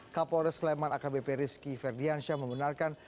kapolres sleman akbp rizky ferdiansyah membenarkan